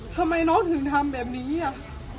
ทำไมน้องถึงทำแบบนี้อ่ะ